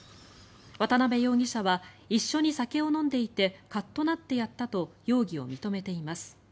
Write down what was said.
渡邊容疑者は一緒に酒を飲んでいてカッとなってやったと容疑を認めています。